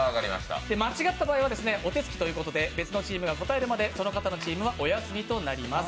間違った場合はお手付きということで別のチームが答えるまでその方のチームはお休みとなります。